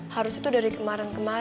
harusnya itu dari kemarin kemarin